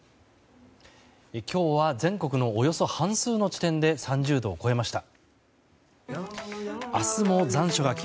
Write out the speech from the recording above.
今日は全国のおよそ半数の地点で３０度を超えました。